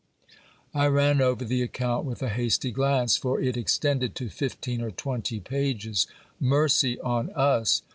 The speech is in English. I ran over the account with a hasty glance ; for it extended to fifteen or twenty pages. Mercy on us!